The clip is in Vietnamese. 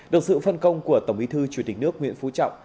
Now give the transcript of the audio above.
được sự phân công của tổng bí thư chủ tịch nước nguyễn phú trọng